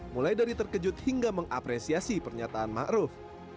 mulai dari terkejut hingga mengapresiasi pernyataan ma'ruf